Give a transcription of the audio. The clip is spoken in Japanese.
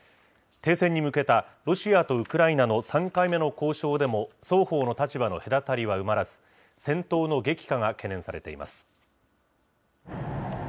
停戦に向けたロシアとウクライナの３回目の交渉でも、双方の立場の隔たりは埋まらず、戦闘の激化が懸念されています。